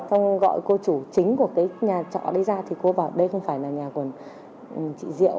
xong gọi cô chủ chính của cái nhà trọ đây ra thì cô bảo đây không phải là nhà của chị diệu